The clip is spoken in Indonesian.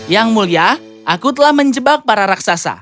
yang mulia aku telah menjebak para raksasa